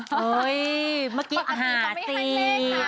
เฮ้ยเมื่อกี้หาสิ